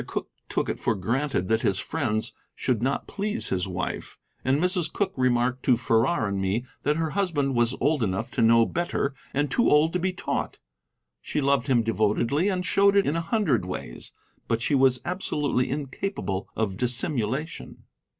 Cooke took it for granted that his friends should not please his wife, and Mrs. Cooke remarked to Farrar and me that her husband was old enough to know better, and too old to be taught. She loved him devotedly and showed it in a hundred ways, but she was absolutely incapable of dissimulation.